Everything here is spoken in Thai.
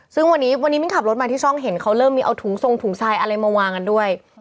ซึ่งวันนี้วิ่งขับรถมาที่ช่องเห็นเค้าเริ่มมีเอาถุงสงถุงซ่ายอะไรมาวางันด้วย